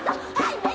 はい！